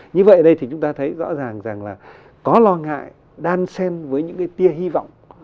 như vậy ở đây thì chúng ta thấy rõ ràng rằng là có lo ngại đan sen với những cái tia hy vọng